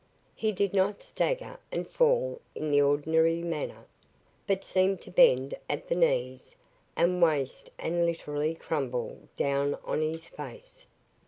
He did not stagger and fall in the ordinary manner, but seemed to bend at the knees and waist and literally crumple down on his face.